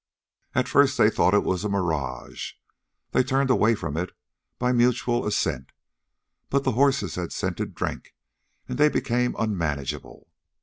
At first they thought it was a mirage. They turned away from it by mutual assent. But the horses had scented drink, and they became unmanageable.